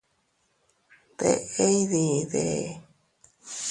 ¿Deʼe iydide?